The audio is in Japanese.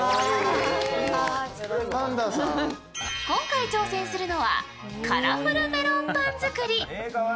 今回挑戦するのはカラフルメロンパン作り。